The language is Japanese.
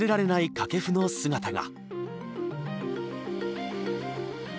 掛布の姿が。